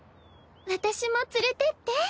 私も連れてって。